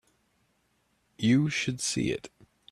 You should see it.